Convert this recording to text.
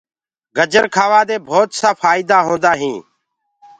گرجر کآوآ دي ڀوتسآ ڦآئيدآ هوندآ هينٚ۔